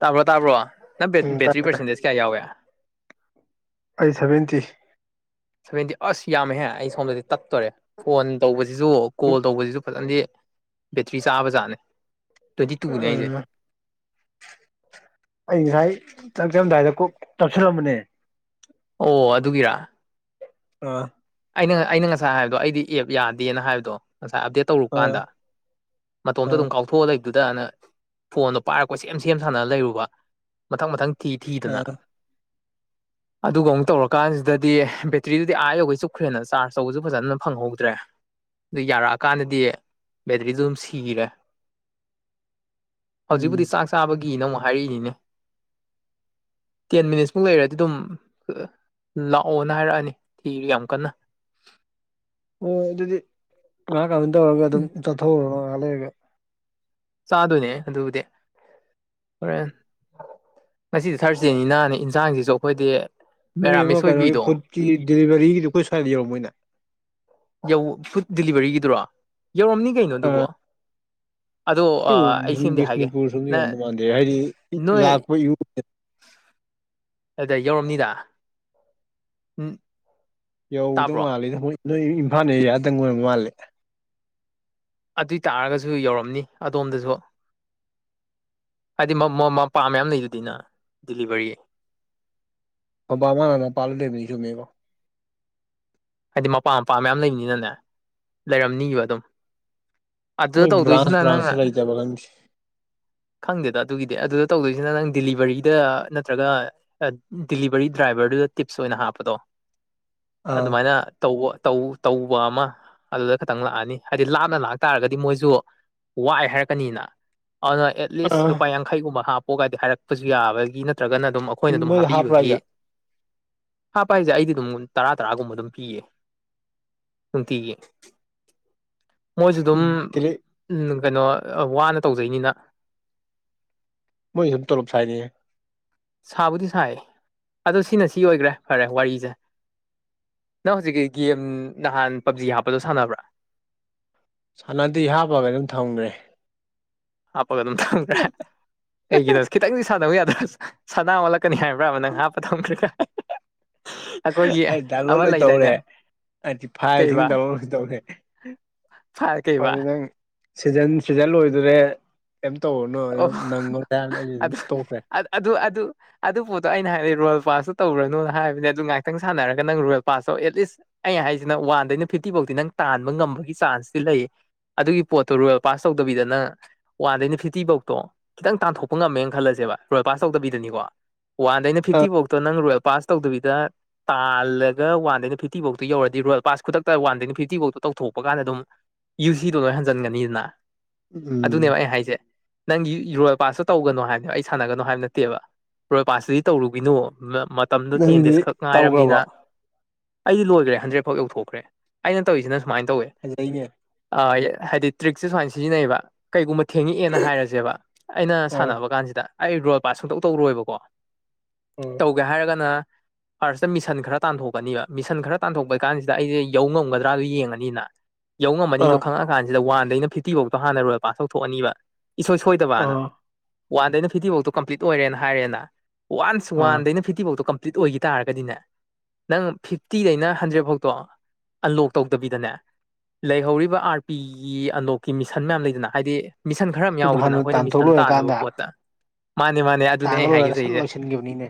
ꯇꯥꯕ꯭ꯔꯣ ꯇꯥꯕ꯭ꯔꯣ ꯅꯪ ꯎꯝ ꯕꯦꯇ꯭ꯔꯤ ꯇꯥꯗ꯭ꯔꯦ ꯄꯥꯔꯁꯦꯟꯇꯦꯖ ꯀꯌꯥ ꯌꯥꯎꯋꯦ ꯑꯩ ꯁꯚꯦꯟꯇꯤ ꯁꯗꯤ ꯑꯁꯌꯥꯦ ꯍ ꯑꯩ ꯁ ꯇꯠꯇꯣꯔꯦ ꯐꯣꯟ ꯇꯧꯕꯁꯤꯁꯨ ꯀꯣꯜ ꯇꯧꯕꯁꯤꯁꯨ ꯐꯖꯅꯗꯤ ꯕꯦꯇ꯭ꯔꯤ ꯆꯥꯕꯖꯥꯠꯅꯦ ꯇ꯭ꯋꯦꯟꯇꯤ ꯇꯨꯅꯦ ꯑꯩꯁꯦ ꯎꯝ ꯑꯩ ꯉꯁꯥꯏ ꯇꯪꯆꯔꯝꯗꯥꯏꯗ ꯀꯣꯛ ꯇꯧꯁꯤꯜꯂꯝꯕꯅꯦ ꯑꯣ ꯑꯗꯨꯒꯤꯔꯥ ꯑꯥ ꯑꯩꯅ ꯑꯩꯅ ꯉꯁꯥꯏ ꯍꯥꯏꯕꯗꯣ ꯑꯩꯗꯤ ꯑꯦꯞ ꯌꯥꯗꯦꯅ ꯍꯥꯏꯕꯗꯣ ꯉꯁꯥꯏ ꯑꯞꯗꯦꯠ ꯑꯥ ꯇꯧꯔꯨꯀꯥꯟꯗ ꯃꯇꯣꯝꯇ ꯑꯥ ꯑꯗꯨꯝ ꯀꯥꯎꯊꯣꯛꯑ ꯂꯩ ꯑꯗꯨꯗꯅ ꯐꯣꯟꯗꯣ ꯄꯥꯏꯔꯛꯄ ꯁꯦꯝ ꯁꯦꯝ ꯁꯥꯅ ꯂꯩꯔꯨꯕ ꯃꯊꯪ ꯃꯊꯪ ꯊꯤ ꯊꯤꯗꯅ ꯑꯥ ꯑꯗꯨꯒ ꯑꯃꯨꯛ ꯇꯧꯔꯀꯥꯟꯁꯤꯗꯗꯤ ꯕꯦꯇ꯭ꯔꯤꯗꯨꯗꯤ ꯑꯥ ꯌꯧꯒꯩ ꯆꯨꯨꯞ ꯑꯩꯈꯣꯏꯦꯅ ꯆꯥꯔꯖ ꯇꯧꯕꯁꯨ ꯐꯖꯅ ꯐꯪꯍꯧꯗ꯭ꯔꯦ ꯑꯗꯨ ꯌꯥꯔꯛꯑꯀꯥꯟꯗꯗꯤ ꯕꯦꯇ꯭ꯔꯤꯗꯨ ꯑꯗꯨꯝ ꯁꯤꯈꯔꯦ ꯍꯧꯖꯤꯛꯄꯨꯗꯤ ꯎꯝ ꯆꯥꯛ ꯆꯥꯕꯒꯤꯅ ꯑꯃꯨꯛ ꯍꯥꯏꯔꯛꯏꯅꯤꯅꯦ ꯇꯦꯟ ꯃꯤꯅꯤꯠꯁꯃꯨꯛ ꯂꯩꯔꯗꯤ ꯑꯗꯨꯝ ꯂꯥꯛꯑꯣꯅ ꯍꯥꯏꯔꯛꯑꯅꯤ ꯊꯤꯔꯤ ꯌꯥꯝ ꯀꯟꯅ ꯍꯣꯏ ꯑꯗꯨꯗꯤ ꯉꯍꯥꯛ ꯀꯃꯥꯏꯅ ꯇꯧꯔꯒ ꯑꯗꯨꯝ ꯆꯠꯊꯣꯛꯎꯣ ꯉꯍꯥꯛ ꯂꯩꯔꯒ ꯆꯥꯗꯣꯏꯅꯦ ꯑꯗꯨꯕꯨꯗꯤ ꯍꯣꯔꯦꯟ ꯉꯁꯤꯗꯤ ꯊꯔꯁꯗꯦꯅꯤꯅ ꯏꯟꯁꯥꯡꯁꯤꯁꯨ ꯑꯩꯈꯣꯏꯗꯤ ꯅꯣꯏ ꯑꯃ ꯃꯦꯔꯥꯃꯤꯁ ꯀꯩꯅꯣꯒꯤ ꯑꯣꯏꯕꯤꯗꯣ ꯐꯨꯗꯀꯤ ꯗꯤꯂꯤꯚꯔꯤꯒꯤꯗꯤ ꯑꯩꯈꯣꯏ ꯁ꯭ꯋꯥꯏꯗ ꯌꯧꯔꯝꯃꯣꯏꯅꯦ ꯐꯨꯗ ꯗꯤꯂꯤꯚꯔꯤꯒꯤꯗꯨꯔꯣ ꯌꯧꯔꯝꯅꯤ ꯀꯩꯅꯣ ꯑꯗꯨꯕꯣ ꯑꯩꯈꯣꯏ ꯑꯗꯣ ꯑꯩ ꯁꯦꯝꯗꯤ ꯍꯥꯏꯒꯦ ꯕꯤꯁꯅꯨꯄꯨꯔ ꯁꯣꯝꯗ ꯅ ꯌꯧꯗ ꯃꯥꯟꯗꯦ ꯍꯥꯏꯗꯤ ꯅꯣꯏ ꯂꯥꯛꯄ ꯑꯗꯨꯗ ꯌꯧꯔꯝꯅꯤꯗ ꯎꯝ ꯌꯧꯗꯧ ꯃꯥꯜꯂꯤꯗ ꯃꯣꯏ ꯅꯣꯏ ꯏꯝꯐꯥꯜ ꯑꯦꯔꯤꯌꯥꯗꯪ ꯑꯣꯏꯔꯝ ꯃꯥꯜꯂꯦ ꯑꯗꯨꯏ ꯇꯥꯔꯒꯁꯨ ꯌꯧꯔꯝꯅꯤ ꯑꯗꯣꯝꯗꯁꯨ ꯍꯥꯏꯗꯤ ꯃꯄꯥ ꯃꯌꯥꯝ ꯂꯩꯗꯨꯗꯤ ꯅꯪ ꯗꯤꯂꯤꯚꯔꯤ ꯑꯣ ꯕꯥꯃꯅ ꯄꯜꯂꯨ ꯂꯩꯕꯅꯤ ꯁꯨꯝꯃꯦꯕꯣ ꯍꯥꯏꯗꯤ ꯃꯄꯥ ꯃꯄꯥ ꯃꯌꯥꯝ ꯂꯩꯕꯅꯤꯅꯅꯦ ꯂꯩꯔꯝꯅꯤꯕ ꯑꯗꯨꯝ ꯑꯗꯨꯗ ꯃꯣꯏ ꯕ꯭ꯔꯥꯟꯁ ꯇꯧꯗꯣꯏꯁꯤꯅ ꯕ꯭ꯔꯥꯟꯁꯁꯨ ꯅꯪꯅ ꯂꯩꯇꯕ꯭ꯔꯥ ꯈꯪꯗꯦ ꯈꯪꯗꯦꯗ ꯑꯗꯨꯒꯤꯗꯤ ꯑꯗꯨꯗ ꯇꯧꯗꯣꯏꯁꯤꯅ ꯅꯪ ꯗꯤꯂꯤꯚꯔꯤꯗ ꯅꯠꯇ꯭ꯔꯒ ꯗꯤꯂꯤꯚꯔꯤ ꯗ꯭ꯔꯥꯏꯚꯔꯗꯨꯗ ꯇꯤꯞꯁ ꯑꯣꯏꯅ ꯍꯥꯞꯄꯗꯣ ꯑꯥ ꯑꯗꯨꯃꯥꯏꯅ ꯇꯧꯕ ꯇꯧꯕ ꯑꯃ ꯑꯗꯨꯗ ꯈꯇꯪ ꯂꯥꯛꯑꯅꯤ ꯍꯥꯏꯗꯤ ꯂꯥꯞꯅ ꯂꯥꯛꯇꯥꯥꯔꯒꯗꯤ ꯃꯣꯏꯁꯨ ꯋꯥꯏ ꯍꯥꯏꯔꯛꯀꯅꯤꯅ ꯑꯗꯨꯅ ꯑꯦꯠ ꯑ ꯂꯤꯁ ꯂꯨꯄꯥ ꯌꯥꯡꯈꯩꯒꯨꯝꯕ ꯍꯥꯞꯄꯣꯒꯗꯤ ꯍꯥꯏꯔꯛꯄꯁꯨ ꯌꯥꯕꯒꯤ ꯅꯠꯇ꯭ꯔꯒꯅ ꯑꯗꯨꯝ ꯑꯩꯈꯣꯏꯅ ꯑꯗꯨꯝ ꯅꯣꯏꯗ ꯍꯥꯞꯄ꯭ꯔꯥ ꯍꯥꯏꯁꯦ ꯍꯥꯞꯄꯤꯕꯒꯤ ꯍꯥꯞꯄ ꯍꯥꯏꯁꯦ ꯑꯩꯗꯤ ꯑꯗꯨꯝ ꯇꯔꯥ ꯇꯔꯥꯒꯨꯝꯕ ꯑꯗꯨꯝ ꯄꯤꯌꯦ ꯅꯨꯡꯇꯤꯒ ꯃꯣꯏꯁꯨ ꯑꯗꯨꯝ ꯗꯤꯂꯤꯠ ꯎꯝ ꯀꯩꯅꯣ ꯋꯥꯅ ꯇꯧꯖꯩꯅꯤꯅ ꯃꯣꯏ ꯁꯨꯝ ꯇꯣꯂꯞ ꯁꯥꯏꯏꯅꯦ ꯁꯥꯕꯨꯗꯤ ꯁꯥꯏ ꯑꯗꯣ ꯁꯤꯅ ꯁꯤ ꯑꯣꯏꯈ꯭ꯔꯦ ꯐꯔꯦ ꯋꯥꯔꯤꯁꯦ ꯅꯪ ꯍꯧꯖꯤꯛꯀꯤ ꯒꯦꯝ ꯅꯍꯥꯟ ꯄꯞꯖꯤ ꯍꯥꯞꯄꯗꯣ ꯁꯥꯟꯅꯕ꯭ꯔꯥ ꯁꯥꯟꯅꯗꯤ ꯍꯥꯞꯄꯒ ꯑꯗꯨꯝ ꯊꯝꯈ꯭ꯔꯦ ꯍꯥꯞꯄꯒ ꯑꯗꯨꯝ ꯊꯝꯈ꯭ꯔꯦ ꯑꯩꯒꯤꯅꯣ ꯈꯤꯇꯪꯗꯤ ꯁꯥꯟꯗꯅꯕ ꯌꯥꯗ꯭ꯔ ꯁꯅꯂ ꯀꯛꯀꯅꯤ ꯍꯥꯏꯕ꯭ꯔꯥ ꯑꯃ ꯅꯪ ꯍꯥꯞꯄ ꯊꯝꯗ꯭ꯦꯒ ꯑꯩ ꯂꯣꯏ ꯇꯧꯔꯦ ꯍꯥꯏꯗꯤ ꯐꯥꯏꯜꯁꯤꯡ ꯇꯧꯔ ꯇꯧꯔꯦ ꯐꯔ ꯀꯩꯕ ꯑꯗꯨ ꯅꯪ ꯁꯤꯖꯟ ꯁꯤꯖꯟ ꯂꯣꯏꯗꯣꯔꯦ ꯀꯩꯝ ꯇꯧꯔꯨꯔꯅꯨ ꯑꯣ ꯑ ꯑ ꯑ ꯑ ꯑꯗꯨ ꯄꯣꯠꯇꯣ ꯑꯩꯅ ꯍꯥꯏꯔꯗꯤ ꯔꯣꯌꯦꯜ ꯄꯥꯁꯇꯁꯨ ꯇꯧꯨꯔꯅꯣꯅ ꯍꯥꯏꯕꯅꯦ ꯑꯗꯨ ꯉꯥꯏꯥꯛꯇꯪ ꯁꯥꯟꯅꯔꯒ ꯅꯪ ꯔꯣꯌꯦꯜ ꯄꯥꯁꯇꯣ ꯑꯦꯠꯂꯤꯁ ꯑꯩ ꯍꯥꯏꯁꯤꯅ ꯋꯥꯟꯗꯩꯅ ꯐꯤꯐꯇꯤ ꯐꯥꯎꯗꯤ ꯅꯪ ꯇꯥꯟꯕ ꯉꯝꯕꯒꯤ ꯆꯥꯟꯁꯇꯤ ꯂꯩꯌꯦ ꯑꯗꯨꯒꯤ ꯄꯣꯠꯇꯨ ꯔꯣꯌꯦꯜ ꯄꯥꯁ ꯇꯧꯗꯕꯤꯗꯅ ꯋꯥꯟ ꯐꯤꯐ ꯇꯤꯐꯕꯧꯇꯣ ꯈꯤꯇꯪ ꯇꯥꯟꯊꯣꯛꯄ ꯉꯝꯃꯦꯅ ꯈꯜꯂꯁꯦꯕ ꯔꯣꯜ ꯄꯥꯁ ꯇꯧꯗꯕꯤꯗꯅꯤꯀꯣ ꯋꯥꯟꯗꯩꯅ ꯑꯥ ꯐꯤꯐꯇꯤꯐꯥꯎꯗꯣ ꯅꯪ ꯔꯣꯌꯦꯜ ꯄꯥꯁ ꯇꯧꯗꯕꯤꯗ ꯇꯥꯜꯂꯒ ꯋꯥꯟꯗꯒꯤꯅ ꯐꯤꯐꯇꯤꯐꯧꯗꯣ ꯌꯧꯔꯗꯤ ꯔꯣꯌꯦꯜ ꯄꯥꯁ ꯈꯨꯗꯛꯇ ꯋꯥꯟꯗꯒꯤꯅ ꯐꯤꯐꯇꯤꯐꯧꯗ ꯇꯧꯊꯣꯛꯄ ꯀꯥꯟꯗ ꯑꯗꯨꯝ ꯌꯨ ꯁꯤꯗꯣ ꯂꯣꯏ ꯍꯟꯖꯤꯟꯒꯅꯤꯗꯅ ꯎꯝ ꯑꯗꯨꯅꯦꯕ ꯑꯩ ꯍꯥꯏꯁꯦ ꯅꯪꯒꯤ ꯏꯔꯣꯏ ꯄꯁꯨ ꯇꯧꯒꯅꯣ ꯍꯥꯏꯕ ꯑꯩ ꯁꯥꯟꯅꯒꯅꯣ ꯍꯥꯏꯕ ꯅꯠꯇꯦꯕ ꯍꯣꯏ ꯄꯇꯗꯤ ꯇꯧꯔꯨꯒꯤꯅꯣ ꯃꯇꯝꯗꯣ ꯇꯦꯟ ꯅꯪꯗꯤ ꯗꯦꯖ ꯈꯛ ꯉꯥꯏꯔꯕꯅꯤꯅ ꯇꯧꯈ꯭ꯔꯕꯣ ꯑꯩ ꯂꯣꯏꯈ꯭ꯔꯦ ꯍꯟꯗ꯭ꯔꯦꯗꯐꯥꯎ ꯌꯧꯊꯣꯛꯈ꯭ꯔꯦ ꯑꯩꯅ ꯇꯧꯔꯤꯁꯤꯅ ꯁꯨꯥꯏꯅ ꯇꯧꯋꯦ ꯐꯖꯩꯦ ꯍꯥꯏꯗꯤ ꯇ꯭ꯔꯤꯛꯁꯦ ꯁꯨꯃꯥꯏꯅ ꯁꯤꯖꯤꯟꯅꯩꯌꯦꯕ ꯀꯩꯒꯨꯝꯕ ꯊꯦꯡꯉꯛꯑꯦꯅ ꯍꯥꯏꯔꯁꯦ ꯁꯦꯕ ꯑꯩꯅ ꯑꯣ ꯁꯥꯟꯅꯕ ꯀꯥꯟꯁꯤꯗ ꯑꯩ ꯔꯣꯜ ꯄꯥꯁ ꯁꯨꯡꯇꯧ ꯇꯧꯔꯣꯏꯕꯀꯣ ꯎꯝ ꯇꯧꯒꯦ ꯍꯥꯏꯔꯒꯅ ꯐꯥꯔꯁꯇ ꯃꯤꯁꯟ ꯈꯔ ꯇꯥꯟꯊꯣꯛꯀꯅꯤꯕ ꯃꯤꯁꯟ ꯈꯔ ꯇꯥꯟꯊꯣꯛꯄꯩ ꯀꯥꯟꯁꯤꯗ ꯑꯩꯁꯦ ꯌꯧ ꯉꯝꯒꯗ꯭ꯔꯥꯗꯨ ꯌꯦꯡꯉꯅꯤꯅ ꯌꯧꯉꯝꯃꯅꯤꯗꯣ ꯑꯥ ꯈꯪꯉꯑ ꯀꯥꯟꯁꯤꯗ ꯋꯥꯟꯗꯩꯅ ꯐꯤꯐꯇꯤꯐꯥꯎꯗꯣ ꯍꯥꯟꯅ ꯔꯣꯏ ꯄꯥꯁ ꯇꯧꯊꯣꯛꯑꯅꯤꯕ ꯏꯁꯣꯏ ꯁꯣꯏꯗꯕꯅ ꯑꯥ ꯋꯥꯟꯗꯩꯅ ꯐꯤꯗꯤꯤꯐꯥꯎꯗꯣ ꯀꯝꯄ꯭ꯂꯤꯠ ꯑꯣꯏꯔꯦꯅ ꯍꯥꯏꯔꯦꯅ ꯋꯥꯟꯁ ꯑꯥ ꯋꯥꯟꯗꯩꯅ ꯈꯈꯤꯇꯤꯐꯥꯎꯗꯣ ꯀꯝꯄ꯭ꯂꯤꯠ ꯑꯣꯏꯈꯤ ꯇꯥꯔꯒꯗꯤꯅꯦ ꯅꯪ ꯐꯤꯐꯇꯤꯗꯩꯅ ꯍꯟꯗ꯭ꯔꯦꯗ ꯐꯥꯎꯗꯣ ꯑꯟꯂꯣꯛ ꯇꯧꯗꯕꯤꯗꯅꯦ ꯂꯩꯍꯧꯔꯤꯕ ꯑꯥꯔ ꯄꯤꯒꯤ ꯑꯟꯗꯣꯛꯀꯤ ꯃꯤꯁꯟ ꯃꯌꯥꯝ ꯂꯩꯗꯅ ꯍꯥꯏꯗꯤ ꯃꯤꯁꯟ ꯈꯔ ꯑꯃ ꯑꯗꯨꯗꯣ ꯌꯥꯎꯋꯗꯅ ꯍꯥꯟꯅ ꯑꯩꯈꯣꯏꯅ ꯇꯥꯟꯊꯣꯛ ꯃꯤꯁꯟ ꯇꯥꯟꯅꯕ ꯂꯣꯏꯔꯀꯥꯟꯗ ꯄꯣꯠꯇ ꯃꯥꯅꯦ ꯃꯥꯅꯦ ꯑꯗꯨꯅꯦ ꯇꯥꯟꯕ ꯑꯩ ꯂꯣꯏꯔꯒ ꯁꯠ ꯍꯥꯏꯒꯦꯁꯁꯦ ꯂꯣꯏꯁꯤꯟꯈꯤꯕꯅꯤꯅꯦ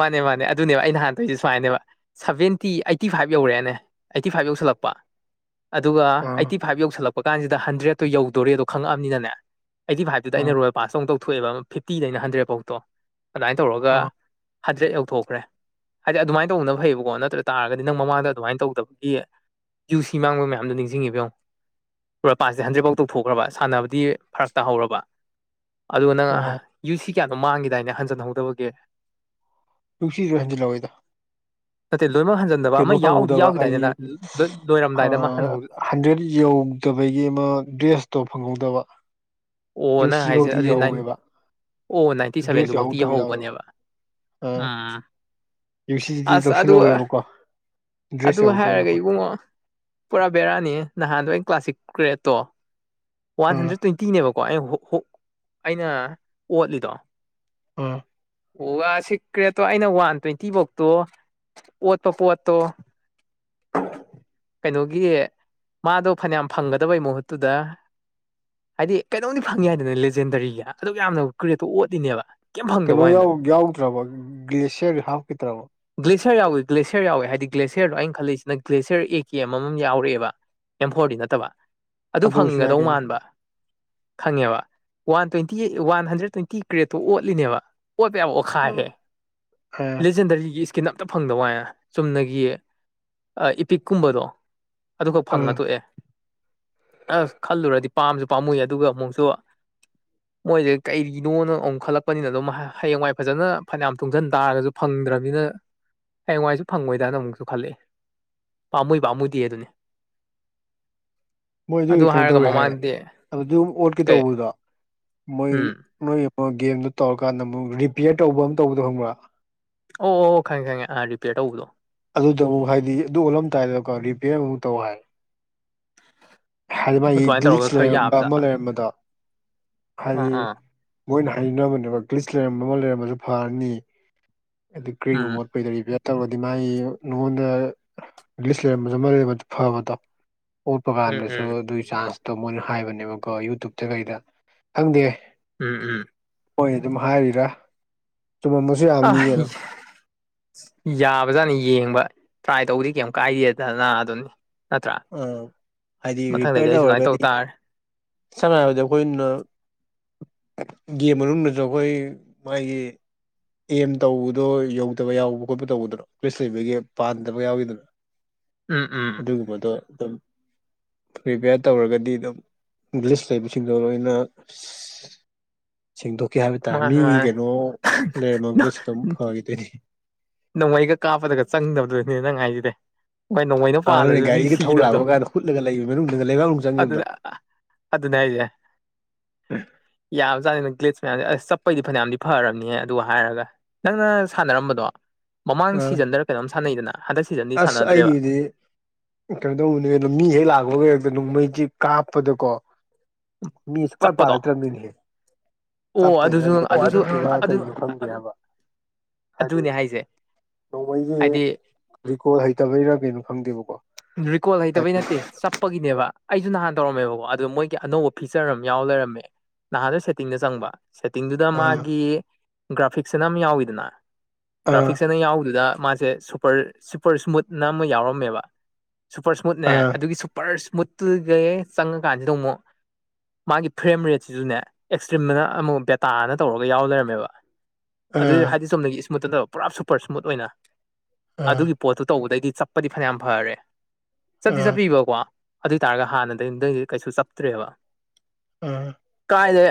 ꯃꯥꯅꯦ ꯃꯥꯅꯦ ꯑꯗꯨꯅꯦꯕ ꯑꯩꯅ ꯍꯥꯟ ꯇꯣꯏꯁꯦ ꯁꯨꯃꯥꯏꯅꯦꯕ ꯁꯚꯦꯟꯇꯤ ꯑꯩꯠꯇꯤ ꯐꯥꯏꯚ ꯌꯧꯔꯛꯑꯦꯅꯦ ꯑꯩꯠꯇꯤ ꯐꯥꯏꯚ ꯌꯧꯁꯤꯜꯂꯛꯄ ꯑꯗꯨꯒ ꯑꯥ ꯑꯩꯠꯇꯤ ꯐꯥꯏꯚ ꯌꯧꯁꯜꯂꯛꯄ ꯀꯥꯟꯁꯤꯗ ꯍꯟꯗ꯭ꯔꯦꯗꯠꯇꯣ ꯌꯧꯗꯣꯔꯦ ꯑꯗꯣ ꯈꯪꯛꯑꯕꯃꯤꯅꯅꯦ ꯑꯩꯠꯇꯤ ꯐꯥꯏꯚꯇꯨꯗ ꯑꯥ ꯑꯩꯅ ꯔꯣꯌꯦꯜ ꯄꯥꯁꯇꯧ ꯇꯧꯊꯣꯛꯑꯦꯕ ꯐꯤꯞꯇꯤꯗ ꯑꯩꯅ ꯍꯟꯗ꯭ꯔꯦꯗ ꯐꯧꯇꯣ ꯑꯗꯨꯃꯥꯏꯅ ꯇꯧꯔꯒ ꯑꯥ ꯍꯟꯖꯤ꯭ꯔꯦꯠ ꯌꯧꯊꯣꯛꯈ꯭ꯔꯦ ꯍꯥꯏꯗꯤ ꯑꯗꯨꯃꯥꯏꯅ ꯇꯧꯗꯅ ꯐꯩꯌꯦꯕꯀꯣ ꯅꯠꯇ꯭ꯔ ꯇꯥꯔꯒꯗꯤ ꯅꯪ ꯃꯃꯥꯡꯗ ꯑꯗꯨꯃꯥꯏꯅ ꯇꯧꯗꯕꯒꯤ ꯌꯨ ꯁꯤ ꯃꯥꯡꯕ ꯃꯌꯥꯝꯗꯣ ꯅꯤꯡꯁꯤꯡꯉꯤꯕꯣ ꯄꯨꯔꯥ ꯄꯁꯦ ꯍꯟꯗ꯭ꯔꯦꯠꯐꯥꯎ ꯇꯧꯊꯣꯛꯈ꯭ꯔꯕ ꯁꯥꯟꯅꯕꯗꯤ ꯐꯔꯛ ꯇꯥꯍꯧꯔꯕ ꯑꯗꯨ ꯅꯪ ꯑꯥ ꯌꯨ ꯁꯤ ꯀꯌꯥꯗꯣ ꯃꯥꯡꯈꯤꯦꯗꯥꯏꯅꯦ ꯍꯟꯖꯟꯍꯧꯗꯕꯒꯦ ꯅꯨꯡꯁꯤꯁꯨ ꯍꯟꯖꯤꯜꯂꯛꯏꯗ ꯑ ꯂꯣꯏꯃ ꯍꯖ ꯀꯩꯅꯣ ꯐꯪꯍꯧꯗꯕ ꯍꯥꯏꯗꯤ ꯂꯣꯏꯔꯝꯗꯥꯏꯗ ꯑꯃ ꯍꯟꯍꯧ ꯍꯟꯗ꯭ꯔꯦꯠ ꯌꯧ ꯠꯇꯕꯩꯒꯤ ꯑꯃ ꯗ꯭ꯔꯦꯁꯇꯣ ꯐꯪꯍꯧꯗꯕ ꯑꯣ ꯌꯨ ꯅꯪ ꯁꯤ ꯍꯥꯏꯁꯦ ꯐꯧꯗꯤ ꯑꯗꯨꯏ ꯅꯥꯏ ꯌꯧꯍꯧꯋꯦꯕ ꯑꯣ ꯅꯥꯏꯟꯇꯤ ꯗ꯭ꯔꯦꯁ ꯁꯚꯦꯟꯗꯨꯐꯧꯗꯤꯤ ꯌꯥꯎꯍꯧꯗꯕ ꯌꯥꯎꯋꯦꯕ ꯌꯧꯍꯧꯕꯅꯦꯕ ꯑꯥ ꯎꯝ ꯌꯨ ꯁꯤꯁꯤꯗꯤ ꯑꯁ ꯑꯗꯨ ꯂꯧꯁꯤꯜꯍꯧꯋꯦꯕꯀꯣ ꯑꯗꯨ ꯗ꯭ꯔꯦꯁ ꯌꯥꯎꯍꯧꯗꯕ ꯍꯥꯏꯔꯒ ꯌꯥꯎꯋꯦ ꯏꯕꯨꯡꯉꯣ ꯄꯨꯔꯥ ꯕꯦꯔꯥꯅꯤ ꯅꯍꯥꯟꯗꯣ ꯑꯩꯅ ꯀ꯭ꯂꯥꯁꯤꯛ ꯒ꯭ꯔꯦꯠꯇꯣ ꯋꯥꯟ ꯑꯥ ꯍꯟꯗ꯭ꯔꯦꯠ ꯇ꯭ꯋꯦꯟꯇꯤꯅꯦꯕꯀꯣ ꯀꯣ ꯑꯩ ꯑꯩꯅ ꯑꯣꯠꯂꯤꯗꯣ ꯎꯝ ꯎ ꯋꯥ ꯁꯤꯀ꯭ꯔꯦꯠꯇꯣ ꯑꯩꯅ ꯋꯥꯟ ꯇ꯭ꯋꯦꯟꯇꯤ ꯐꯧꯇꯣ ꯑꯣꯠꯄ ꯄꯣꯠꯇꯣ ꯀꯩꯅꯣꯒꯤ ꯃꯥꯗꯣ ꯐꯅꯌꯥꯝ ꯐꯪꯒꯗꯕꯩ ꯃꯍꯨꯠꯇꯨꯗ ꯍꯥꯏꯗꯤ ꯀꯩꯅꫭꯝꯗꯤ ꯐꯪ ꯌꯥꯏꯗꯅ ꯂꯦꯖꯦꯟꯗꯔꯤꯒꯤ ꯑꯗꯨꯛ ꯌꯥꯝꯅ ꯀꯔꯦꯠꯇꯣ ꯑꯣꯠꯂꯤꯅꯦꯕ ꯀꯩꯝ ꯐꯪꯗꯕ ꯀꯩꯅꯣ ꯌꯥꯎ ꯋꯥꯅꯤꯗ ꯌꯥꯎꯗ꯭ꯔꯕꫭ ꯒ꯭ꯂꯦꯁꯤꯌꯔ ꯍꯥꯞꯈꯤꯗ꯭ꯔꯕꫭ ꯒꯦꯁꯤꯌꯔ ꯌꯥꯎꯋꯦ ꯒꯦꯁꯤꯌꯔ ꯌꯥꯎꯋꯦ ꯍꯥꯏꯗꯤ ꯒꯦꯁꯤꯌꯔꯗꫭ ꯑꯩꯅ ꯈꯜꯂꯤꯁꯤ ꯑꯗꯨꯅ ꯒ꯭ꯂꯦꯁꯤꯌꯔ ꯑꯦ ꯀꯦ ꯑꯃꯃꯝ ꯌꯥꯎꯔꯛꯑꯦꯕ ꯑꯦꯝ ꯐꯣꯔꯗꯤ ꯅꯠꯇꯕ ꯑꯗꯨ ꯑꯣꯏꯁꯨ ꯌꯥꯏ ꯐꯪꯒꯗꯧ ꯀꯩꯅꯣ ꯃꯥꯟꯕ ꯈꯪꯉꯦꯕ one twenty one hundred twenty ꯀ꯭ꯔꯦꯠꯇꯣ ꯑꯣꯠꯂꯤꯅꯦꯕ ꯑꯣꯠꯄ ꯌꯥꯕ ꯈꯥꯏꯔꯦ ꯑꯥ ꯂꯤꯖꯦꯟꯗꯔꯤꯒꯤ ꯏꯁꯀꯤꯟ ꯑꯝꯇ ꯐꯪꯗꯥꯋꯥꯅꯦ ꯆꯨꯝꯅꯒꯤ ꯏꯄꯤꯛꯀꯨꯝꯕꯗꯣ ꯑꯗꯨꯈꯠ ꯑꯥ ꯐꯪꯉ ꯊꯣꯛꯑꯦ ꯑꯁ ꯈꯜꯂꯨꯔꯗꯤ ꯄꯥꯝꯖꯨ ꯄꯥꯝꯃꯨꯏ ꯑꯗꯨꯒ ꯑꯃꯨꯛꯁꯨ [inaudible] ꯃꯣꯏꯁꯦ ꯀꯩꯒꯤꯅꯣꯅ ꯑꯃꯨꯛ ꯈꯜꯂꯛꯄꯅꯤꯅ ꯑꯗꯨꯝ ꯍꯌꯦꯡꯋꯥꯏ ꯐꯖꯅ ꯐꯅꯌꯥꯝ ꯇꯨꯡꯁꯤꯟ ꯇꯥꯔꯒꯁꯨ ꯐꯪꯗ꯭ꯔꯕꯅꯤꯅ ꯍꯌꯦꯡꯋꯥꯏꯁꯨ ꯐꯪꯉꯣꯏꯗꯅ ꯑꯃꯨꯛꯁꯨ ꯈꯜꯂꯛꯑ ꯄꯥꯝꯃꯨꯏ ꯄꯥꯝꯃꯨꯗꯦꯗꯨꯅꯤ ꯃꯣꯏ ꯑꯗꯨ ꯑꯗꯨꯒꯤ ꯀꯩꯅꯣ ꯍꯥꯏꯔꯒ ꯇꯧꯋꯦ ꯍꯥꯏꯌꯦ ꯃꯃꯥꯡꯗꯗꯤ ꯑꯗꯨꯝ ꯑꯣꯠꯀꯦ ꯀꯩ ꯇꯧꯕꯗꯣ ꯃꯣꯏ ꯎꯝ ꯅꯣꯏ ꯑꯃ ꯒꯦꯝꯗꯣ ꯇꯧꯔꯀꯥꯟꯗ ꯑꯃꯨꯛ ꯔꯤꯄꯤꯌꯔ ꯇꯧꯕꯅ ꯇꯧꯕꯗꯣ ꯈꯪꯕ꯭ꯔꯥ ꯑꯣ ꯈꯪꯉꯦ ꯈꯪꯉꯦ ꯑꯥ ꯔꯤꯄꯤꯌꯔ ꯇꯧꯕꯗꯣ ꯑꯗꯨꯗ ꯑꯃꯨꯛ ꯍꯥꯏꯗꯤ ꯑꯗꯨ ꯑꯣꯜꯂꯝꯗꯥꯏꯗꯀꯣ ꯔꯤꯄꯤꯌꯔ ꯑꯃꯨꯛ ꯇꯧ ꯍꯥꯏ ꯍꯥꯏꯗꯤ ꯃꯥꯒꯤ ꯑꯗꯨꯃꯥꯏꯅ ꯇꯧꯔꯒ ꯗꯤꯖꯤꯠꯁ ꯈꯔ ꯂꯩꯔꯝꯕ ꯑꯃ ꯌꯥꯕꯖꯥꯠꯂ ꯂꯩꯔꯝꯕꯗꯣ ꯑꯥ ꯍꯥꯏꯗꯤ ꯑꯥ ꯃꯣꯏꯅ ꯍꯥꯏꯅꯕꯅꯦꯕ ꯀ꯭ꯂꯤꯁ ꯂꯩꯔꯝꯕ ꯑꯃ ꯂꯩꯔꯝꯕꯁꯨ ꯐꯔꯅꯤ ꯑꯗꯨ ꯎꯝ ꯀꯔꯤꯒꯨꯝꯕ ꯀꯨꯏꯅ ꯔꯤꯄꯤꯦꯌꯔ ꯇꯧꯔꯒꯗꯤ ꯃꯥꯒꯤ ꯅꯉꯣꯟꯗ ꯂꯤꯁ ꯂꯩꯔꯝꯕꯁꯨ ꯑꯃ ꯂꯩꯔꯝꯕꯁꯨ ꯐꯕꯗꯣ ꯑꯣꯠꯄ ꯎꯝ ꯀꯥꯟꯗꯁꯨ ꯎꯝ ꯑꯗꯨꯒꯤ ꯆꯥꯟꯁꯇꯣ ꯃꯣꯏꯅ ꯍꯥꯏꯕꯅꯦꯕꯀꯣ ꯌꯨꯇꯨꯕꯇ ꯀꯩꯗ ꯈꯪꯗꯦ ꯎꯝ ꯎꯝ ꯍꯣꯏ ꯑꯗꯨꯝ ꯍꯥꯏꯔꯤꯔꯥ ꯆꯨꯝꯃꯝꯕ ꯑ [unintelligible] ꯌꯥꯕꯖꯥꯠꯅꯤ ꯌꯦꯡꯕ ꯇ꯭ꯔꯥꯏ ꯇꯧꯕꯗꯤ ꯀꯩꯝ ꯀꯥꯏꯗꯦꯗꯅ ꯑꯗꯨꯅꯤ ꯅꯠꯇ꯭ꯔꯥ ꯑ ꯍꯥꯏꯗꯤ ꯃꯊꯪꯗꯗꯤ ꯔꯤꯄꯤꯌꯔ ꯑꯩꯁꯨ ꯑꯗꯨꯨꯃꯥꯏ ꯇꯧ ꯇꯧꯔꯒꯗꯤ ꯇꯥꯔꯦ ꯁꯝꯅ ꯍꯥꯏꯔꯕꯗ ꯑꯩꯈꯣꯏꯅ ꯒꯦꯝ ꯃꯅꯨꯡꯗꯁꯨ ꯑꯩꯈꯣꯏ ꯃꯥꯒꯤ ꯑꯦꯝ ꯇꯧꯕꯗꯣ ꯌꯧꯗꯕ ꯌꯥꯎꯕ ꯈꯣꯠꯄ ꯇꯧꯕꯗ꯭ꯔꯣ ꯒꯔꯤꯁ ꯂꯩꯕꯒꯤ ꯄꯥꯟꯗꯕ ꯌꯥꯎꯋꯤꯗꯅ ꯎꯝ ꯎꯝ ꯑꯗꯨꯒꯨꯝꯕ ꯑꯗꯨꯝ ꯔꯤꯄꯤꯌꯥꯔ ꯇꯧꯔꯒꯗꯤ ꯑꯗꯨꯝ ꯒꯂꯤꯁ ꯂꯩꯕꯁꯤꯡꯗꯣ ꯂꯣꯏꯅ [unintelligible] ꯁꯦꯡꯗꯣꯛꯀꯤ ꯍꯥꯏꯕ ꯇꯥꯔꯦ ꯃꯥꯅꯦ ꯃꯤꯒꯤ ꯃꯥꯅꯦ ꯀꯩꯅꯣ ꯂꯩꯔꯝꯃꯒꯁꯨ ꯑꯗꯨꯝ ꯐꯒꯤꯗꯣꯏꯅꯤ ꯅꯣꯡꯃꯩꯒ ꯀꯥꯞꯄꯗꯒ ꯆꯪꯗꯕꯗꯨꯅꯤꯅꯦ ꯅꯪ ꯍꯥꯏꯁꯤꯗꯤ ꯍꯣꯏ ꯅꯣꯡꯃꯩꯅ ꯍꯥꯟꯅꯅꯦ ꯄꯥꯜꯂꯁꯨ ꯃꯤ ꯒꯥꯔꯤꯒ ꯊꯧ ꯁꯤꯗꯕꯗꯣ ꯂꯥꯛꯄ ꯀꯥꯟꯗ ꯍꯨꯠꯂꯒ ꯂꯩꯕ ꯃꯅꯨꯡꯗꯒ ꯂꯩꯕꯥꯛꯅꯨꯡ ꯆꯪꯈꯤꯕꯗꯣ ꯑꯗꯨꯗ ꯑꯗꯨꯅꯦ ꯍꯥꯏꯖꯦ ꯌꯥꯝꯕꯖꯥꯠꯅꯤꯗ ꯒ꯭ꯂꯤꯁ ꯃꯌꯥꯝꯁꯦ ꯑꯁ ꯆꯠꯄꯩꯗꯤ ꯐꯩꯅꯌꯥꯝꯗꯤ ꯐꯔꯕꯅꯤꯍꯦ ꯑꯗꯨ ꯍꯥꯏꯔꯒ ꯅꯪꯅ ꯁꯥꯟꯅꯔꯝꯕꯗꯣ ꯃꯃꯥꯡ ꯑ ꯁꯤꯖꯟꯗꯔ ꯀꯩꯅꯣꯝ ꯁꯥꯟꯅꯩꯗꯅ ꯍꯟꯗꯛ ꯁꯤꯖꯟꯗꯤ ꯑꯁ ꯁꯥꯟꯅꯗ꯭ꯔꯦꯕ ꯑꯩꯒꯤꯗꯤ ꯀꯩꯅꯣ ꯇꯧꯕꯅꯦ ꯑꯗꯨ ꯃꯤ ꯍꯦꯛ ꯂꯥꯛꯄꯒ ꯍꯦꯛꯇ ꯅꯣꯡꯃꯩꯁꯦ ꯀꯥꯞꯄꯗꯀꯣ ꯃꯤ ꯁꯨꯡ ꯄꯥꯜ ꯆꯠꯄꯗꯣ ꯄꯥꯜꯂꯛ ꯇꯔꯕꯅꯤꯅꯦꯍꯦ ꯑꯣ ꯆꯠꯛ ꯑꯗꯨꯁꯨ [unintelligible] ꯑꯗꯨꯁꯨ ꯄ ꯑꯗꯨ ꯐꯪꯗꯦꯕ ꯍꯥꯏꯗꯤ ꯑꯗꯨꯅꯦ ꯍꯥꯏꯁꯦ ꯅꯣꯡꯃꯩꯖꯦ ꯍꯥꯏꯗꯤ ꯔꯤꯀꯣꯜ ꯍꯩꯇꯕꯩꯔ ꯀꯩꯅꫭ ꯈꯪꯗꯦꯕꯀꯣ ꯔꯤꯀꯣꯜ ꯍꯩꯇꯕꯩ ꯍꯥꯏꯗꯤ ꯅꯠꯇꯦ ꯆꯞ ꯄꯒꯤꯅꯦꯕ ꯑꯩꯁꯨ ꯅꯍꯥꯟ ꯇꯧꯔꯝꯃꯦꯕꯀꯣ ꯑꯗꯨꯗ ꯃꯣꯏꯒꯤ ꯑꯅꯧꯕ ꯐꯤꯆꯔ ꯑꯃ ꯌꯥꯎ ꯂꯩꯔꯝꯃꯦ ꯅꯍꯥꯟꯗꫭ ꯁꯦꯠꯇꯤꯡꯗ ꯆꯪꯕ ꯁꯦꯠꯇꯤꯡꯗꯨꯗ ꯑꯥ ꯃꯥꯒꯤ ꯒ꯭ꯔꯥꯐꯤꯛꯁꯑꯅ ꯑꯃ ꯌꯥꯎꯋꯤꯗꯅ ꯑꯥ ꯒ꯭ꯔꯥꯐꯤꯛꯁ ꯑꯅ ꯌꯥꯎꯕꯗꯨꯗ ꯃꯥꯁꯦ ꯁꯨꯄꯔ ꯁꯨꯄꯔ ꯏꯁꯃꯨꯠꯅ ꯑꯃ ꯌꯥꯎꯔꯝꯃꯦꯕ ꯁꯨꯄꯔ ꯏꯁꯃꯨꯠꯅꯦ ꯑꯥ ꯑꯗꯨꯒꯤ ꯁꯨꯄꯔ ꯏꯁꯃꯨꯠꯇꯨꯒ ꯆꯪꯉꯀꯥꯟꯁꯤꯗ ꯑꯃꯨꯛ ꯃꯥꯒꯤ ꯐ꯭ꯔꯦꯝ ꯔꯦꯠꯁꯤꯖꯨꯅꯦ ꯑꯦꯛꯁꯇ꯭ꯔꯤꯝꯅ ꯑꯃꯨꯛ ꯕꯦꯇꯥꯅ ꯇꯧꯔꯒ ꯌꯥꯎ ꯂꯩꯔꯝꯃꯦꯕ ꯑꯗꯨ ꯑꯥ ꯍꯥꯏꯗꯤ ꯆꯨꯝꯅꯒꯤ ꯏꯁꯃꯨꯠ ꯅꯠꯇꯕ ꯄꯨꯔꯥ ꯁꯨꯄꯔ ꯏꯁꯃꯨꯠ ꯑꯣꯏꯅ ꯑꯥ ꯑꯗꯨꯒꯤ ꯄꯣꯠꯇꯨ ꯇꯧꯕꯗꯒꯤꯗꯤ ꯆꯠꯄꯗꯤ ꯐꯅꯌꯥꯝ ꯐꯔꯦ ꯆꯠꯇꯤ ꯑꯥ ꯆꯠꯄꯤꯕꯀꯣ ꯑꯗꯨ ꯑꯣꯏ ꯇꯥꯔꯒ ꯍꯥꯟꯅꯗꯒꯤꯗꯩ ꯀꯩꯁꯨ ꯆꯥꯞꯇ꯭ꯔꯦꯕ ꯎꯝ ꯀꯥꯏꯗꯩ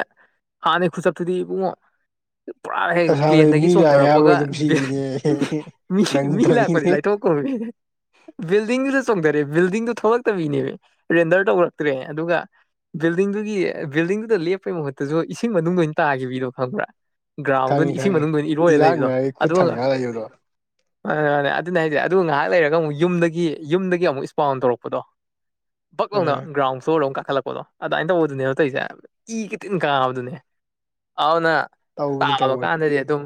ꯍꯥꯟꯅꯩ ꯈꯨꯆꯞꯇꯨꯗꯤ ꯏꯕꯨꯡꯉꯣ ꯄꯨꯔꯥ ꯍꯦꯛ ꯉꯁꯥꯏ ꯃꯤ ꯄ꯭ꯂꯦꯟꯗꯒꯤ ꯂꯥꯛꯑꯦ ꯍꯥꯏꯕꯒ ꯆꯣꯡꯊꯔꯛꯄꯒ ꯑꯗꯨꯝ ꯁꯤꯕꯤꯅꯦ ꯃꯤ ꯃꯤ ꯅꯪꯗꯕꯤꯅꯦ ꯂꯥꯛꯕꯗꯤ ꯂꯥꯏ ꯊꯣꯛꯈꯔꯣꯅꯦ ꯕꯤꯜꯗꯤꯡ ꯆꯣꯡꯊꯔꯦ ꯕꯤꯜꯗꯤꯡꯗꯨ ꯊꯣꯛꯂꯛꯇꯕꯤꯅꯦꯃꯦ ꯔꯦꯟꯗꯔ ꯇꯧꯔꯛꯇ꯭ꯔꯦ ꯑꯗꯨꯒ ꯕꯤꯜꯗꯤꯡꯗꯨꯒꯤ ꯕꯤꯜꯗꯤꯡꯗꯨꯗ ꯂꯦꯞꯄꯩ ꯃꯍꯨꯠꯇꯁꯨ ꯏꯁꯤꯡ ꯃꯅꯨꯡꯗ ꯑꯣꯏꯅ ꯇꯥꯈꯤꯕꯗꯣ ꯈꯪꯕ꯭ꯔꯥ ꯒ꯭ꯔꯥꯎꯟꯗ ꯈꯪꯉꯤ ꯑꯣꯢꯅ ꯏꯁꯤꯡ ꯈꯪꯉꯤ ꯃꯅꯨꯡꯗ ꯑꯣꯢꯅ ꯏꯔꯣꯏꯔ ꯂꯩꯕꯗꯣ ꯏꯔꯥꯛꯅꯔꯒ ꯈꯨꯠ ꯑꯗꯨꯒ ꯊꯥꯡꯒꯠꯂ ꯂꯩꯕꯗꯣ ꯃꯥꯅꯦ ꯃꯥꯅꯦ ꯑꯗꯨꯅꯦ ꯍꯥꯏꯁꯦ ꯑꯗꯨꯒ ꯉꯥꯏꯍꯥꯛ ꯂꯩꯔꯒ ꯑꯃꯨꯛ ꯌꯨꯝꯗꯒꯤ ꯌꯨꯝꯗꯒꯤ ꯑꯃꯨꯛ ꯏꯁꯄꯥꯎꯟ ꯇꯧꯔꯛꯄꯗꯣ ꯕꯛ ꯂꯧꯅ ꯑꯥ ꯒ꯭ꯔꯥꯎꯟ ꯐ꯭ꯂꯣꯔ ꯑꯃꯛ ꯀꯥꯈꯠꯂꯛꯄꯗꯣ ꯑꯗꯨꯃꯥꯏꯅ ꯇꯧꯕꯗꯨꯅꯦꯕ ꯇꯧꯁꯦ ꯏ ꯊꯤꯅ ꯀꯥꯕꯗꯨꯅꯦ ꯑꯗꯨꯅ ꯇꯧꯕꯅꯤ ꯇꯥꯕ ꯇꯧꯕꯅꯤ ꯀꯥꯟꯗꯗꯤ ꯑꯗꯨꯝ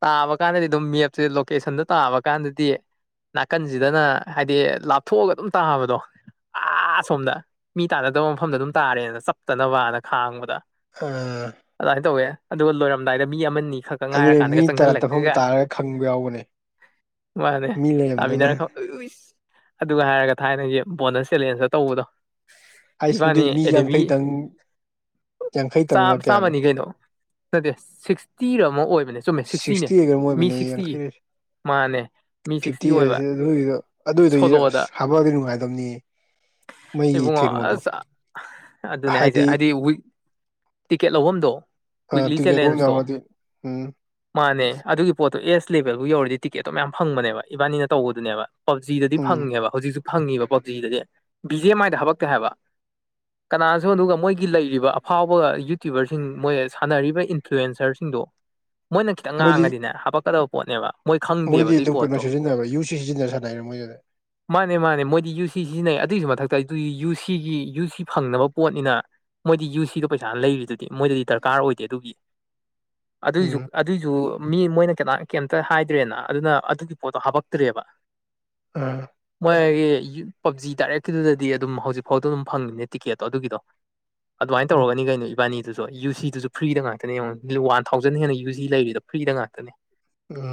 ꯇꯥꯕ ꯀꯥꯟꯗꯗꯤ ꯑꯗꯨꯝ ꯃꯦꯞꯁꯦ ꯂꯣꯀꯦꯁꯟꯗ ꯇꯥꯕ ꯀꯥꯟꯗꯗꯤ ꯅꯥꯀꯟꯁꯤꯗꯅ ꯍꯥꯏꯗꯤ ꯂꯥꯞꯊꯣꯛꯑꯒ ꯑꯗꯨꯝ ꯇꯥꯕꯗꯣ ꯑꯥ ꯁꯣꯝꯗ ꯃꯤ ꯇꯥꯟꯅꯗꯕ ꯃꯐꯝꯗ ꯑꯗꯨꯝ ꯇꯥꯔꯦꯅ ꯆꯥꯞꯇꯅꯕꯅ ꯈꯥꯡꯕꯗ ꯎꯝ ꯑꯗꯨꯃꯥꯏꯅ ꯇꯧꯋꯦ ꯑꯗꯨꯒ ꯂꯣꯏꯔꯝꯗꯥꯏꯗ ꯃꯤ ꯑꯃꯅꯤ ꯈꯛ ꯉꯥꯏꯔ ꯑꯗꯨꯅꯦ ꯃꯤ ꯀꯥꯟꯗꯒ ꯇꯔꯥ ꯇꯠꯐꯝ ꯆꯪꯁꯤꯜꯂꯛꯄꯤꯒ ꯇꯥꯔꯒ ꯈꯪꯕ ꯌꯥꯎꯕꯅꯦ ꯃꯥꯅꯦ ꯃꯤ ꯂꯩꯔꯝꯗꯅ ꯇꯥꯃꯤꯟꯅꯈꯣ ꯑ [inaudible] ꯑꯗꯨꯒ ꯍꯥꯏꯔꯒ ꯊꯥꯏꯅꯒꯤ ꯕꯣꯅꯁ ꯆꯦꯂꯦꯟꯖꯇ ꯇꯧꯕꯗꯣ ꯑꯩꯁ ꯏꯕꯥꯅꯤ ꯃꯗꯨꯗꯤ ꯃꯤ ꯑꯦꯗꯤꯕꯤ ꯌꯥꯡꯈꯩꯇꯪ ꯌꯥꯡꯈꯩꯇꯪꯂ ꯀꯌꯥꯅꯣ ꯆꯥꯝꯃꯅꯤ ꯀꯩꯅꯣ ꯅꯠꯇꯦ ꯁꯤꯛꯁꯇꯤꯔ ꯑꯃ ꯑꯣꯏꯕꯅꯦ ꯆꯨꯝꯃꯦ ꯁꯤꯛꯁꯇꯤꯅꯦ ꯁꯤꯛꯁꯇꯤ ꯑꯣꯏꯒꯔ ꯃꯤ ꯑꯣꯏꯕꯅꯦ ꯁꯤꯛꯁꯇꯤ ꯌꯥꯡꯈꯩ ꯃꯥꯅꯦ ꯃꯤ ꯁꯤꯛꯁꯇꯤ ꯐꯤꯐꯇꯤ ꯑꯣꯏꯕ ꯍꯥꯏꯁꯦ ꯑꯗꯨꯒꯤꯗꯣ ꯑꯗꯨꯏꯗꯨ ꯑꯁ ꯁꯣꯂꯣꯗ ꯍꯥꯞꯄꯛꯑꯒꯗꯤ ꯅꯨꯡꯉꯥꯏꯗꯧꯅꯤ ꯏꯕꯨꯡꯉꯣ ꯑꯁ ꯑꯗꯨꯅꯦ ꯍꯥꯏꯁꯦ ꯍꯥꯏꯗꯤ ꯇꯤꯛꯀꯦꯠ ꯂꯧꯐꯝꯗꯣ ꯑ ꯋꯤꯛꯂꯤ ꯇꯤꯀꯦꯠ ꯆꯦꯂꯦꯟꯖꯇꯣ ꯂꯧꯐꯥꯝ ꯌꯥꯎ ꯃꯥꯅꯦ ꯑꯗꯨꯒꯤ ꯄꯣꯠꯇꯣ ꯑꯦꯁ ꯂꯦꯕꯦꯜꯕꯨ ꯌꯧꯔꯗꯤ ꯇꯤꯀꯦꯠꯇꯣ ꯃꯌꯥꯝ ꯐꯪꯕꯅꯦꯕ ꯏꯕꯥꯅꯤꯅ ꯇꯧꯕꯗꯨꯅꯦꯕ ꯄꯞꯖꯤꯗꯗꯤ ꯎꯝ ꯐꯪꯉꯦꯕ ꯍꯧꯖꯤꯛꯁꯨ ꯐꯪꯉꯤꯕ ꯄꯞꯖꯤꯗꯗꯤ ꯕꯤ ꯖꯦ ꯑꯦꯝ ꯃꯥꯏꯗ ꯍꯥꯞꯕꯛꯇꯦ ꯍꯥꯏꯕ [unintelligible] ꯀꯅꯥꯅꯁꯨ ꯑꯗꯨꯒ ꯃꯣꯏꯒꯤ ꯂꯩꯔꯤꯕ ꯑꯐꯥꯎꯕ ꯌꯨꯇ꯭ꯌꯨꯕꯔꯁꯤꯡ ꯃꯣꯏ ꯁꯥꯟꯅꯔꯤꯕ ꯏꯟꯐ꯭ꯂꯨꯋꯦꯟꯁꯔꯁꯤꯡꯗꯣ [unintelligible] ꯃꯣꯏꯅ ꯈꯤꯇꯪ ꯃꯣꯏꯗꯤ ꯉꯥꯡꯉꯗꯤꯅꯦ ꯍꯥꯞꯄꯛꯀꯗꯕ ꯄꯣꯠꯅꯦꯕ ꯃꯣꯏ ꯈꯪꯗꯦꯕ ꯃꯣꯏꯗꯤ ꯑꯗꯨꯏ ꯑꯗꯨꯝ ꯄꯣꯠꯇꯣ ꯀꯩꯅꯣ ꯁꯤꯖꯤꯟꯅꯕ꯭ꯔ ꯌꯨ ꯁꯤ ꯁꯤꯖꯤꯟꯅ ꯁꯥꯟꯅꯩꯔ ꯃꯣꯏꯗꯨꯗꯤ ꯃꯥꯅꯦ ꯃꯥꯅꯦ ꯃꯣꯏꯗꯤ ꯌꯨ ꯁꯤ ꯁꯤꯖꯤꯟꯅꯩ ꯑꯗꯨꯒꯤꯁꯨ ꯃꯊꯛꯇ ꯑꯩꯗꯤ ꯌꯨ ꯁꯤꯒꯤ ꯌꯨ ꯁꯤ ꯐꯪꯅꯕ ꯄꯣꯠꯅꯤꯅ ꯃꯣꯏꯗꯤ ꯌꯨ ꯁꯤꯗ ꯄꯩꯁꯥ ꯂꯩꯔꯤꯗꯨꯗꯤ ꯃꯣꯏꯗꯗꯤ ꯗꯔꯀꯥꯔ ꯑꯣꯏꯗꯦ ꯑꯗꯨꯒꯤ ꯑꯗꯨꯏꯁꯨ ꯎꯝ ꯑꯗꯨꯏꯁꯨ ꯃꯤ ꯃꯣꯏꯅ ꯀꯅꯥ ꯀꯩꯝꯇ ꯍꯥꯏꯗ꯭ꯔꯦꯅ ꯑꯗꯨꯅ ꯑꯗꯨꯒꯤ ꯄꯣꯠꯇꯣ ꯍꯥꯞꯄꯛꯇ꯭ꯔꯦꯕ ꯎꯝ ꯃꯣꯏꯒꯤ ꯄꯞꯖꯤ ꯇꯗꯥꯏꯔꯦꯀꯤꯗꯨꯗꯗꯤ ꯑꯗꯨꯝ ꯍꯧꯖꯤꯛꯐꯥꯎꯗ ꯑꯗꯨꯝ ꯐꯪꯉꯤꯅꯦ ꯇꯤꯛꯀꯦꯠꯇꯣ ꯑꯗꯨꯒꯤꯗꯣ [unintelligible] ꯑꯗꯨꯃꯥꯏꯅ ꯇꯧꯔꯒꯅꯤ ꯀꯩꯅꯣ ꯏꯕꯥꯅꯤꯗꯨꯁꯨ ꯑꯗꯣ ꯌꯨ ꯁꯤꯗꯨꯁꯨ ꯐ꯭ꯔꯤꯗ ꯉꯥꯛꯇꯅꯦ ꯌꯦꯡꯉ ꯋꯥꯟ ꯊꯥꯎꯖꯟ ꯍꯦꯟꯅ ꯌꯨ ꯁꯤ ꯂꯩꯔꯤꯗꯣ ꯐ꯭ꯔꯤꯗ ꯉꯥꯛꯇꯅꯦ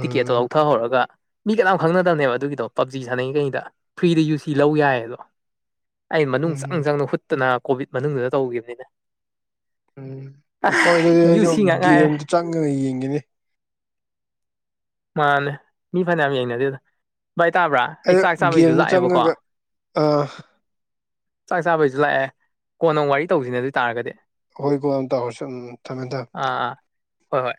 ꯇꯤꯛꯀꯦꯠꯇꯣ ꯂꯧꯊꯍꯧꯔꯒ ꯃꯤ ꯀꯅꯥꯝ ꯈꯪꯅꯗꯕꯅꯦꯕ ꯑꯗꯨꯒꯤꯗꯣ ꯄꯞꯖꯤ ꯁꯥꯟꯅꯩꯈꯩꯗ ꯐ꯭ꯔꯤꯗ ꯌꯨ ꯁꯤ ꯂꯧ ꯌꯥꯏ ꯑꯗꯣ ꯑꯩ ꯃꯅꯨꯡ ꯆꯪ ꯎꯝ ꯆꯪꯗꯅ ꯍꯨꯠ ꯇꯅ ꯀꯣꯚꯤꯠ ꯃꯅꯨꯡꯗꯨꯗ ꯇꯧꯈꯤꯕꯅꯤꯅꯦ ꯎꯝ ꯍꯣꯏ ꯑꯗꯨꯗꯤ ꯌꯨ ꯑꯩꯁꯨ ꯁꯤ ꯉꯥꯛ ꯉꯥꯏꯔꯦ ꯒꯦꯝꯗ ꯆꯪꯉꯥ ꯌꯦꯡꯒꯅꯦ ꯃꯥꯅꯦ ꯃꯤ ꯐꯅꯌꯥꯝ ꯌꯦꯡꯅꯔꯤꯗ ꯚꯥꯏ ꯇꯥꯕ꯭ꯔꯥ ꯑꯩ ꯆꯥꯛ ꯆꯥꯕꯩꯗꯨ ꯒꯦꯝꯗ ꯂꯥꯛꯑꯦꯕꯀꯣ ꯆꯪꯉꯒ ꯑꯥ ꯆꯥꯛ ꯆꯥꯕꯩꯁꯨ ꯂꯥꯛꯑꯦ ꯀꯣꯟꯅ ꯑꯃꯨꯛ ꯋꯥꯔꯤ ꯇꯧꯁꯤꯅꯦ ꯑꯗꯨꯏꯇꯥꯥꯔꯒꯗꯤ ꯍꯣꯏ ꯀꯣꯟꯅ ꯇꯧꯔꯁꯦ ꯑꯃꯨꯃꯨꯛ ꯊꯝꯃꯦ ꯊꯝꯃꯦ ꯑꯥ ꯑꯥ ꯍꯣꯏ ꯍꯣꯏ